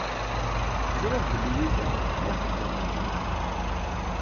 Ẓriɣ belli Yuba d axeddam n lmina.